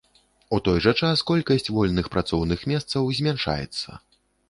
У той жа час колькасць вольных працоўных месцаў змяншаецца.